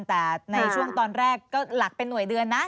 แต่ในช่วงตอนแรกก็หลักเป็นห่วยเดือนนะ